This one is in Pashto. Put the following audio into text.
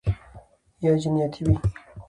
یا جنیاتي وي